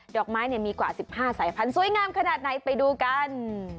อกไม้มีกว่า๑๕สายพันธุสวยงามขนาดไหนไปดูกัน